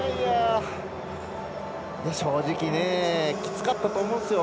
正直きつかったと思うんですよ。